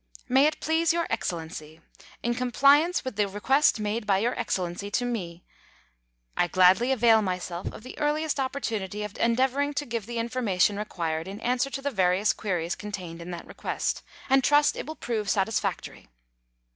MAY IT PLEASE YOUR EXCELLENCY, In compliance with the request made by Your Excellency to me, I gladly avail myself of the earliest opportunity of endeavouring to give the information required in answer to the various queries contained in that request, and trust it will prove satisfactory.